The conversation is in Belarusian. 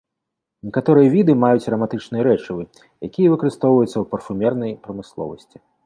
Некаторыя віды маюць араматычныя рэчывы, якія выкарыстоўваюцца ў парфумернай прамысловасці.